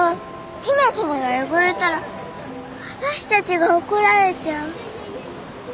姫様が汚れたら私たちが怒られちゃう。